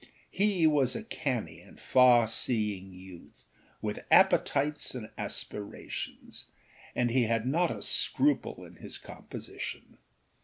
He was a canny and far seeing youth, with appetites and aspirations, and he had not a scruple in his composition.